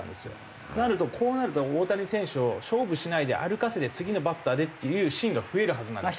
こうなると大谷選手を勝負しないで歩かせて次のバッターでっていうシーンが増えるはずなんですよ。